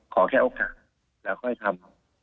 ขอแค่โอกาสแล้วค่อยทำ